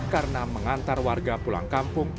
karena mengantar warga pulang kampung